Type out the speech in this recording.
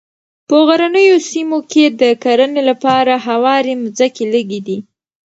په غرنیو سیمو کې د کرنې لپاره هوارې مځکې لږې دي.